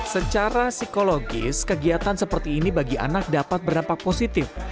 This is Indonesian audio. secara psikologis kegiatan seperti ini bagi anak dapat berdampak positif